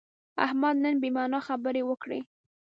احمد نن بې معنا خبرې وکړې.